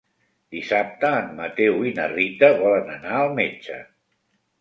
Dissabte en Mateu i na Rita volen anar al metge.